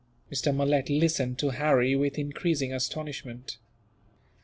Mr. Malet listened to Harry with increasing astonishment.